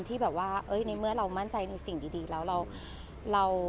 ที่แบบว่าในเมื่อเรามั่นใจในสิ่งดีแล้วเรา